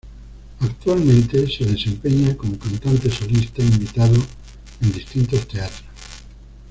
Actualmente se desempeña como cantante solista invitado en distintos teatros.